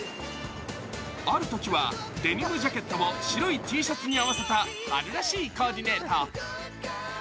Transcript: あるときはデニムジャケットを白いＴシャツに合わせた春らしいコーディネート。